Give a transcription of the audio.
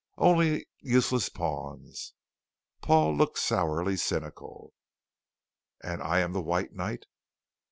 "Only useless pawns." Paul looked sourly cynical. "And I am the White Knight?"